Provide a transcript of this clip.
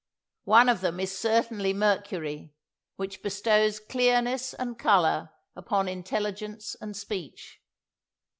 One of them is certainly Mercury, which bestows clearness and colour upon intelligence and speech.